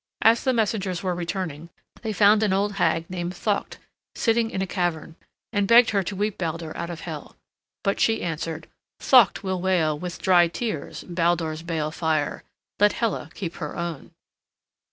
As the messengers were returning, they found an old hag named Thaukt sitting in a cavern, and begged her to weep Baldur out of Hel. But she answered, "Thaukt will wail With dry tears Baldur's bale fire. Let Hela keep her own."